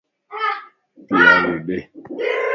پيالي ڏي